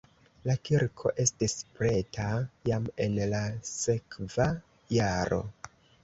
La kirko estis preta jam en la sekva jaro.